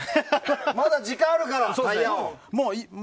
まだ時間ありますからタイヤ王。